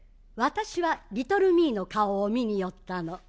私はリトルミイの顔を見に寄ったの。